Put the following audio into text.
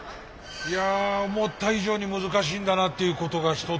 いや思った以上に難しいんだなっていうことが一つ。